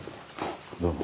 どうも。